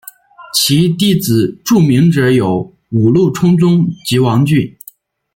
其弟子著名者有五鹿充宗及王骏。